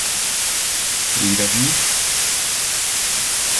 Et il va venir ?